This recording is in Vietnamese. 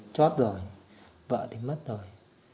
chót rồi vợ thì mất rồi